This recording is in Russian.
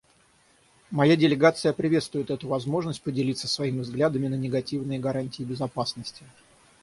Моя делегация приветствует эту возможность поделиться своими взглядами на негативные гарантии безопасности.